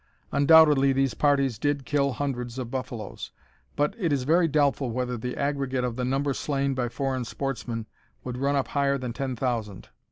Undoubtedly these parties did kill hundreds of buffaloes, but it is very doubtful whether the aggregate of the number slain by foreign sportsmen would run up higher than ten thousand.